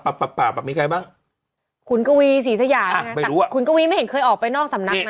หิบมากมีใครบ้างขุนกะวีสีใส่หมานะแต่ขุนกะวีไม่เห็นเคยออกไปนอกสำนักนะ